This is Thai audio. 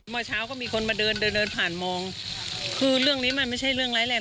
เมื่อเช้าก็มีคนมาเดินเดินเดินผ่านมองคือเรื่องนี้มันไม่ใช่เรื่องร้ายแรง